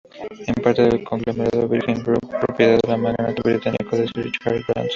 Es parte del conglomerado Virgin Group, propiedad del magnate británico Sir Richard Branson.